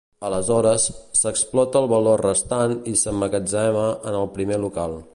Aleshores, s'explota el valor restant i s'emmagatzema en el primer local.